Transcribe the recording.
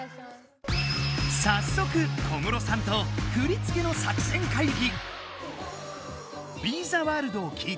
さっそく小室さんと振り付けの作戦会議！